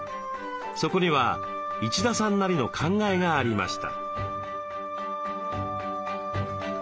そこには一田さんなりの考えがありました。